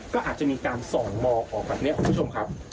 ก็อาจจะมีการส่องมองออกแบบนี้คุณผู้ชมครับ